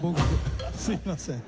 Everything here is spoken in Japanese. すいません。